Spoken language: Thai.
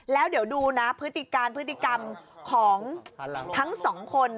แล้วเดี๋ยวดูนะพฤติการพฤติกรรมของทั้งสองคน